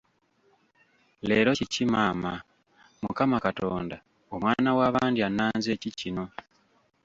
Leero kiki maama! Mukama Katonda, omwana w'abandi annanze ki kino?